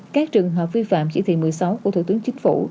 các trường hợp vi phạm chỉ thị một mươi sáu của thủ tướng chính phủ